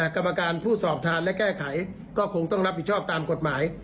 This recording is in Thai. กรรมการผู้สอบทานและแก้ไขก็คงต้องรับผิดชอบตามกฎหมาย